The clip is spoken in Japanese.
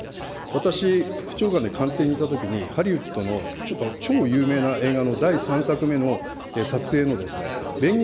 私、副長官で官邸にいたときに、ハリウッドの超有名な映画の第３作目の撮影の便宜